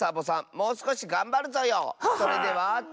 もうすこしがんばるぞよ。ははっ！